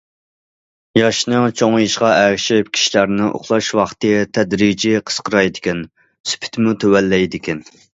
ياشنىڭ چوڭىيىشىغا ئەگىشىپ، كىشىلەرنىڭ ئۇخلاش ۋاقتى تەدرىجىي قىسقىرايدىكەن، سۈپىتىمۇ تۆۋەنلەيدىكەن.